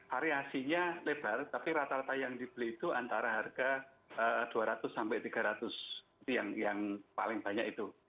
variasinya lebar tapi rata rata yang dibeli itu antara harga dua ratus sampai rp tiga ratus yang paling banyak itu